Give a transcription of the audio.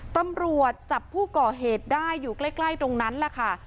ตำรวจจับผู้ก่อเหตุได้อยู่ใกล้ตรงนั้นแหละค่ะ